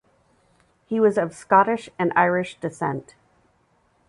He was of Scottish and Irish descent.